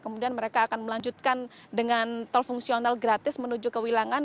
kemudian mereka akan melanjutkan dengan tol fungsional gratis menuju ke wilangan